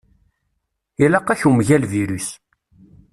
Ilaq-ak umgal-virus.